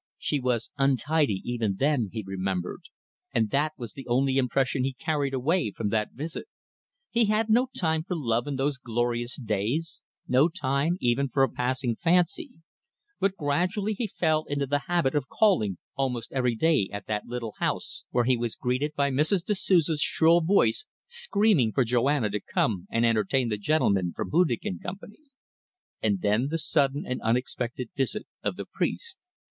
She was untidy even then, he remembered, and that was the only impression he carried away from that visit. He had no time for love in those glorious days, no time even for a passing fancy, but gradually he fell into the habit of calling almost every day at that little house where he was greeted by Mrs. da Souza's shrill voice screaming for Joanna to come and entertain the gentleman from Hudig & Co. And then the sudden and unexpected visit of the priest.